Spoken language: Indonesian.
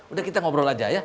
udah kita ngobrol aja ya